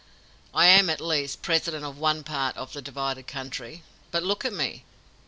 I am, at least, President of one part of the divided country; but look at me!